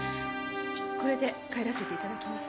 これで帰らせていただきます。